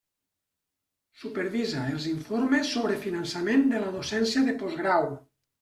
Supervisa els informes sobre finançament de la docència de postgrau.